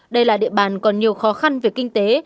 đây là địa bàn còn nhiều khó khăn về kinh tế